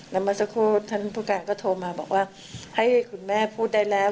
แล้วเมื่อสักครู่ท่านผู้การก็โทรมาบอกว่าให้คุณแม่พูดได้แล้ว